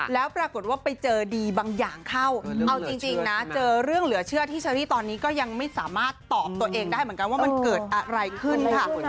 แล้วปรากฏว่าไปเจอดีบางอย่างเข้าเอาจริงนะเจอเรื่องเหลือเชื่อที่เชอรี่ตอนนี้ก็ยังไม่สามารถตอบตัวเองได้เหมือนกันว่ามันเกิดอะไรขึ้นค่ะ